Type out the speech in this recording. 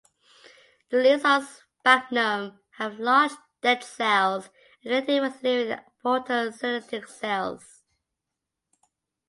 The leaves of "Sphagnum" have large dead cells alternating with living photosynthetic cells.